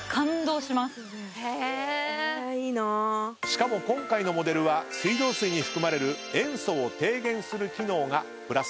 しかも今回のモデルは水道水に含まれる塩素を低減する機能がプラスされています。